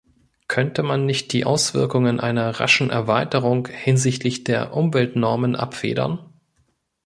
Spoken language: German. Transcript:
Könnte man nicht die Auswirkungen einer raschen Erweiterung hinsichtlich der Umweltnormen abfedern?